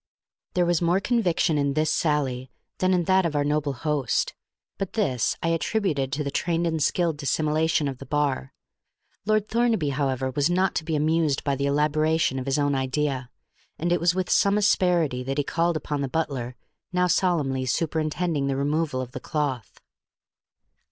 There was more conviction in this sally than in that of our noble host; but this I attributed to the trained and skilled dissimulation of the bar. Lord Thornaby, however, was not to be amused by the elaboration of his own idea, and it was with some asperity that he called upon the butler, now solemnly superintending the removal of the cloth.